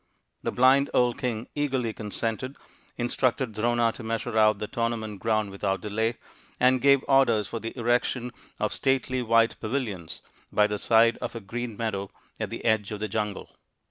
The blind old king eagerly consented, instructed Drona to measure out the tour nament ground without delay, and gave orders for the erection of stately white pavilions by the side of a green meadow at the edge of the jungle.